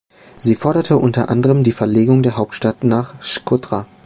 Sie forderte unter anderem die Verlegung der Hauptstadt nach Shkodra.